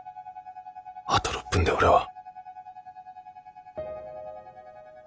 あと６分で俺は。